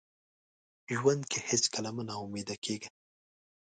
ژوند کې هیڅکله مه ناامیده کیږه.